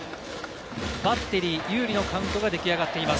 バッテリー有利のカウントが出来上がっています。